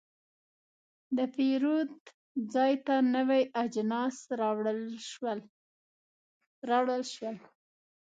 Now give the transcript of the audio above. د پیرود ځای ته نوي اجناس راوړل شول.